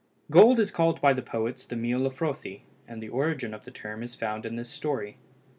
Gold is called by the poets the meal of Frothi, and the origin of the term is found in this story.